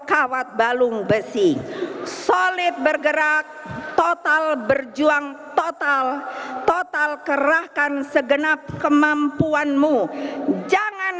kawat balung besi solid bergerak total berjuang total total kerahkan segenap kemampuanmu jangan